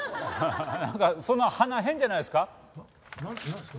なんかその花変じゃないですか？